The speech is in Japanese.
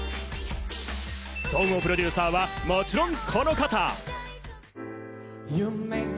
総合プロデューサーは、もちろん、この方。